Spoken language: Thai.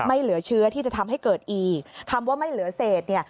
เหลือเชื้อที่จะทำให้เกิดอีกคำว่าไม่เหลือเศษเนี่ย